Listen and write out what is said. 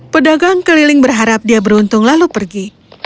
pedagang keliling berharap dia beruntung lalu pergi